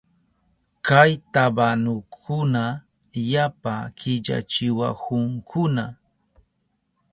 Kay tabanukuna yapa killachiwahunkuna.